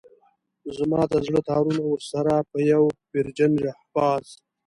زما د زړه تارونه ورسره په يوه ويرجن شهباز.